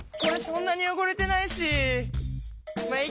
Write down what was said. そんなによごれてないし。